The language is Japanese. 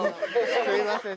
すみません。